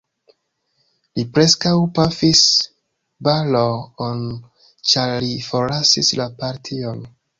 Li preskaŭ pafis Balogh-on, ĉar li forlasis la partion.